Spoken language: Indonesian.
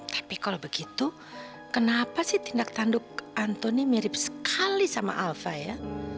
tapi kalau begitu kenapa sih tindak tanduk antoni mirip sekali sama alpha ya